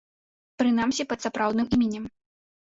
Прынамсі, пад сапраўдным іменем.